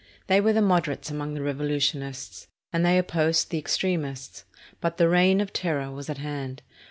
They were the Moderates among the Revolutionists, and they opposed the Extremists. But the Reign of Terror was at hand.